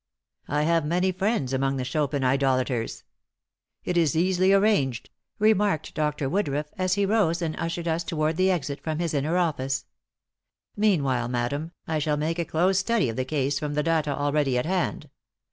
"I have many friends among the Chopin idolaters; it is easily arranged," remarked Dr. Woodruff, as he rose and ushered us toward the exit from his inner office. "Meanwhile, madam, I shall make a close study of the case from the data already at hand.